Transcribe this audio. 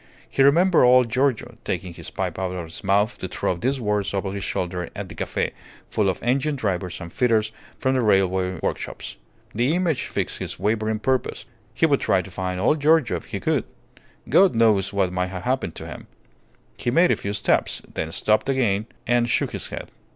He remembered old Giorgio taking his pipe out of his mouth to throw these words over his shoulder at the cafe, full of engine drivers and fitters from the railway workshops. This image fixed his wavering purpose. He would try to find old Giorgio if he could. God knows what might have happened to him! He made a few steps, then stopped again and shook his head.